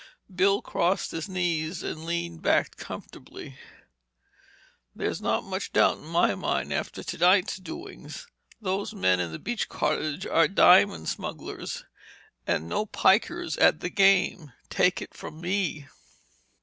Bill crossed his knees and leaned back comfortably. "There's not much doubt in my mind, after tonight's doings. Those men in the beach cottage are diamond smugglers and no pikers at the game, take it from me!"